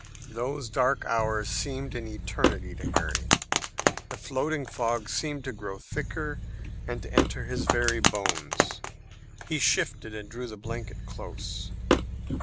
Those dark hours seemed an eternity to Harry. The floating fog seemed to grow thicker and to enter his very bones. He shivered and drew the blanket close.